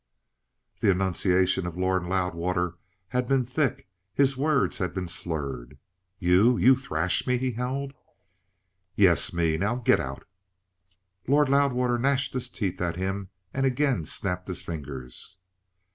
The enunciation of Lord Loudwater had been thick, his words had been slurred. "You? You thrash me?" he howled. "Yes, me. Now get out!" Lord Loudwater gnashed his teeth at him and again snapped his fingers.